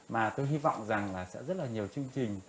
mà tôi hy vọng rằng là sẽ rất là nhiều chương trình